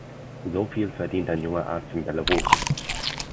So viel verdient ein junger Arzt in Belarus.